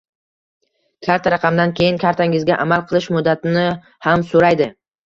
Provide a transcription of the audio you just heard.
Karta raqamdan keyin kartangizni amal qilish muddatini ham so‘raydi